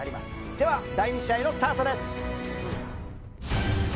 では第２試合のスタートです。